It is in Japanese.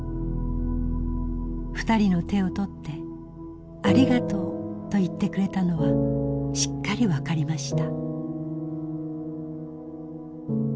２人の手を取って『ありがとう』と言ってくれたのはしっかりわかりました」。